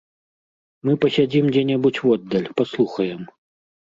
Мы пасядзім дзе-небудзь воддаль, паслухаем.